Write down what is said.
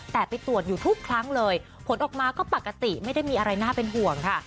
แต่ไปตรวจอยู่ทุกครั้งเลยผลออกมาก็ปกติไม่ได้มีอะไรน่าเป็นห่วงค่ะ